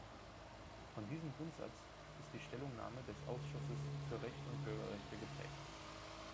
Von diesem Grundsatz ist die Stellungnahme des Ausschusses für Recht und Bürgerrechte geprägt.